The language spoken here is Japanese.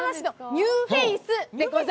ニューフェイス！